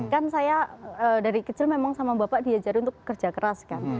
kan saya dari kecil memang sama bapak diajarin untuk kerja keras kan